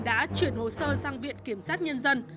đã chuyển hồ sơ sang viện kiểm sát nhân dân